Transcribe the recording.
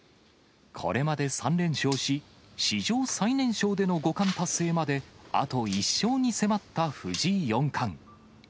これまで３連勝し、史上最年少での五冠達成まで、あと１勝に迫った藤井四冠。